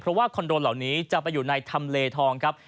เพราะว่าคอนโดเหล่านี้จะไปอยู่ในทำเลทองครับ